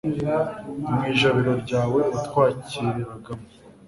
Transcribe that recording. mu ijabiro ryawe watwakiriragamo